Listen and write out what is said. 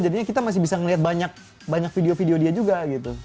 jadinya kita masih bisa melihat banyak video video dia juga gitu